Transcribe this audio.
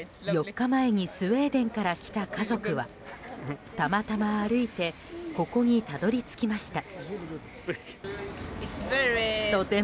４日前にスウェーデンから来た家族はたまたま歩いてここにたどり着きました。